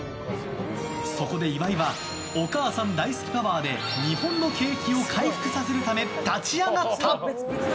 そこで、岩井はお母さん大好きパワーで日本の景気を回復させるため立ち上がった。